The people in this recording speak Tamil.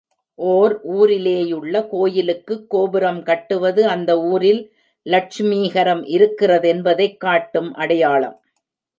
ஒர் ஊரிலேயுள்ள கோயிலுக்குக் கோபுரம் கட்டுவது அந்த ஊரில் லட்சுமீகரம் இருக்கிறதென்பதைக் காட்டும் அடையாளம்.